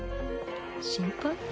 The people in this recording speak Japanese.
「心配」？